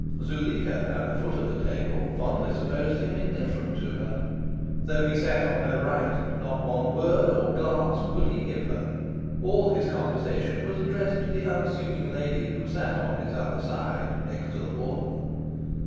Zuleika, at the foot of the table, fondly supposed him indifferent to her. Though he sat on her right, not one word or glance would he give her. All his conversation was addressed to the unassuming lady who sat on his other side, next to the Warden.